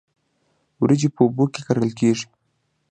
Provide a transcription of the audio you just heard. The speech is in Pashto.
وریجې په اوبو کې کرل کیږي